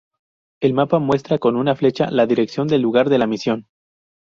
El mapa muestra con una flecha la dirección del lugar de la misión.